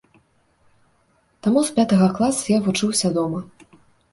Таму з пятага класа я вучыўся дома.